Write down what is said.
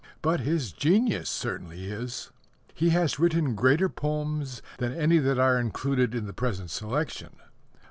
But his genius certainly is. He has written greater poems than any that are included in the present selection.